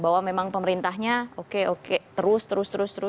bahwa memang pemerintahnya oke oke terus terus terus